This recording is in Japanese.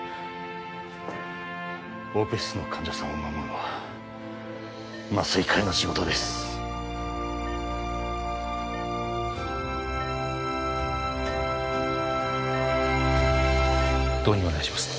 オペ室の患者さんを守るのは麻酔科医の仕事です導入お願いします